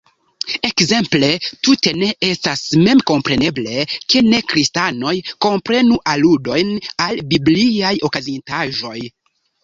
Ekzemple, tute ne estas memkompreneble, ke ne-kristanoj komprenu aludojn al bibliaj okazintaĵoj.